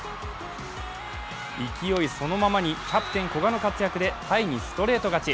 勢いそのままにキャプテン・古賀の活躍でタイにストレート勝ち。